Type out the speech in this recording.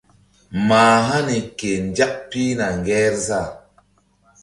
Mah hani ke nzak pihna ŋgerzah.